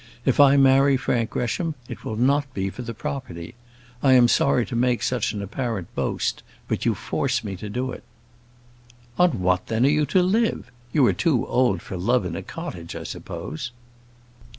If I marry Frank Gresham, it will not be for the property. I am sorry to make such an apparent boast, but you force me to do it." "On what then are you to live? You are too old for love in a cottage, I suppose?"